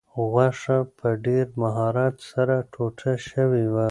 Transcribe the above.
غوښه په ډېر مهارت سره ټوټه شوې وه.